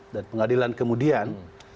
dan pengadilan kemudian